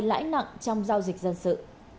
lãi nặng trong giao dịch dân sự